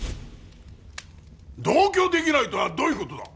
同居出来ないとはどういう事だ！